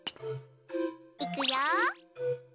いくよ。